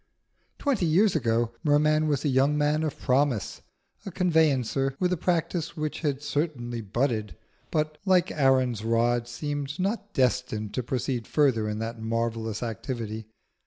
Twenty years ago Merman was a young man of promise, a conveyancer with a practice which had certainly budded, but, like Aaron's rod, seemed not destined to proceed further in that marvellous activity.